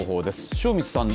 塩見さん